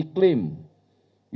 ini iklim buruk